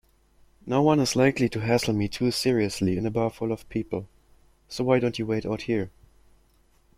Noone is likely to hassle me too seriously in a bar full of people, so why don't you wait out here?